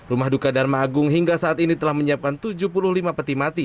rumah duka dharma agung hingga saat ini telah menyiapkan tujuh puluh lima peti mati